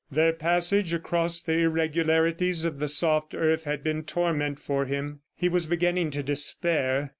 Their passage across the irregularities of the soft earth had been torment for him. He was beginning to despair.